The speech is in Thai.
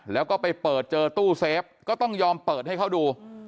แล้วก็ไปเปิดเจอตู้เซฟก็ต้องยอมเปิดให้เขาดู